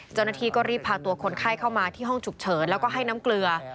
เจ้าหน้าที่ก็รีบพาตัวคนไข้เข้ามาที่ห้องฉุกเฉินแล้วก็ให้น้ำเกลือ